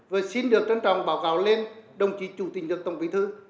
bởi vì cái kiến nghi này là gửi lên đầu tiên là ghi tên đồng chí tổng bí thư chủ tịch nước